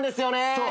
そう。